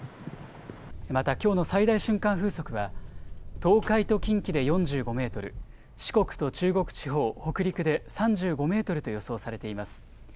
また、きょうの最大瞬間風速は、東海と近畿で４５メートル、四国と中国地方、北陸で３５メートルと予想されています。